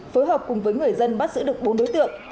phối hợp cùng với người dân bắt giữ được bốn đối tượng